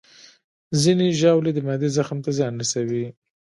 ځینې ژاولې د معدې زخم ته زیان رسوي.